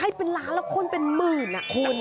ให้เป็นล้านแล้วคนเป็นหมื่นอ่ะคุณ